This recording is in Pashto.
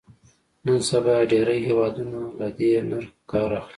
نن سبا ډېری هېوادونه له دې نرخ کار اخلي.